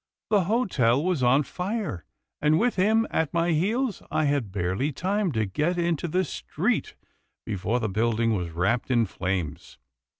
The hotel was on fire, and, with him at my heels, I had barely time to get into the street, before the building was wrapped in flames."